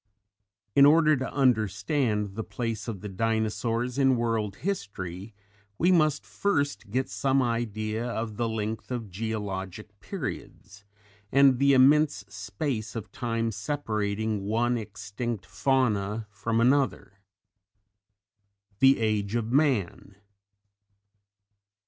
In order to understand the place of the Dinosaurs in world history, we must first get some idea of the length of geologic periods and the immense space of time separating one extinct fauna from another. _The Age of Man.